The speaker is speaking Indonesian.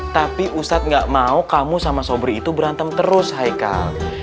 tapi ustadz gak mau kamu sama sobri itu berantem terus haikal